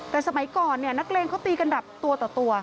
แต่สมัยก่อนนักเรงเขาตีกันดับตัวต่อตัว